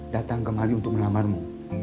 datang kemari untuk melamarmu